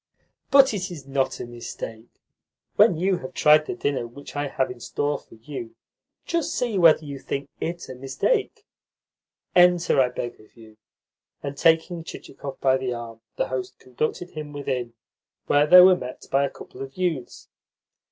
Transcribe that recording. "But it is not a mistake. When you have tried the dinner which I have in store for you, just see whether you think IT a mistake. Enter, I beg of you." And, taking Chichikov by the arm, the host conducted him within, where they were met by a couple of youths.